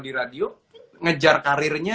di radio ngejar karirnya